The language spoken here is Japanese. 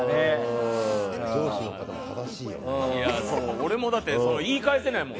俺も言い返せないもん。